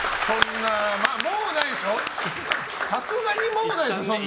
さすがにもうないでしょ？